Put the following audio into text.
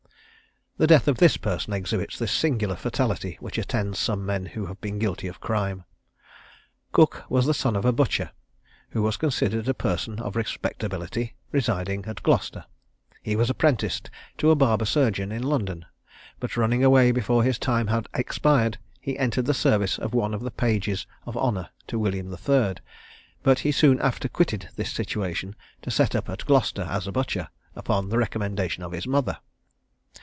The death of this person exhibits the singular fatality which attends some men who have been guilty of crime. Cook was the son of a butcher, who was considered a person of respectability, residing at Gloucester. He was apprenticed to a barber surgeon in London; but running away before his time had expired, he entered the service of one of the pages of honour to William III.; but he soon after quitted this situation to set up at Gloucester as a butcher, upon the recommendation of his mother.